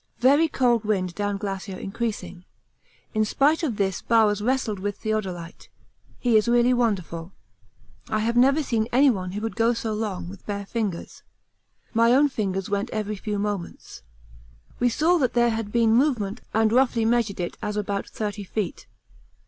(Very cold wind down glacier increasing. In spite of this Bowers wrestled with theodolite. He is really wonderful. I have never seen anyone who could go on so long with bare fingers. My own fingers went every few moments.)We saw that there had been movement and roughly measured it as about 30 feet.